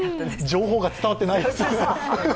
情報が伝わっていないですね。